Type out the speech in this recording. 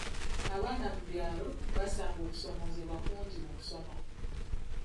Abaana mu byalo basanga okusoomoozebwa kungi mu kusoma.